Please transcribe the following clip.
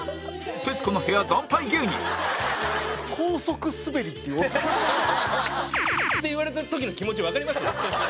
徹子の部屋惨敗芸人って言われた時の気持ちわかります？